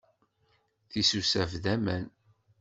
Tisusaf d aman.